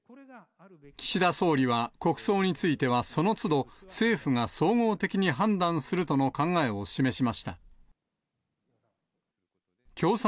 岸田総理は、国葬については、そのつど、政府が総合的に判断するとの考えを示しました。